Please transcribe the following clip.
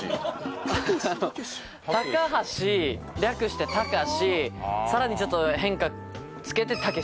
「たかはし」略して「たかし」さらにちょっと変化つけて「たけし」ですね。